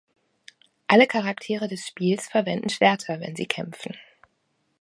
Alle Charaktere des Spiels verwenden Schwerter wenn sie Kämpfen.